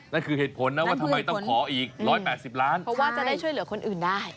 นั่นคือเหตุผลนะว่าทำไมต้องขออีก๑๘๐ล้านเพราะว่าจะได้ช่วยเหลือคนอื่นได้